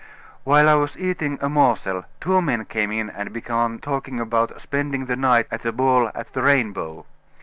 While I was eating a morsel, two men came in and began talking about spending the night at a ball at the Rainbow.